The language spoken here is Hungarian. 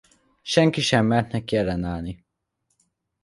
Senki sem mert neki ellenállni.